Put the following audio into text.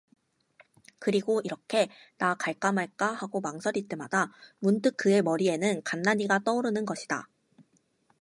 그리고 이렇게 나 갈까말까 하고 망설일 때마다 문득 그의 머리에는 간난이가 떠오르는 것이다.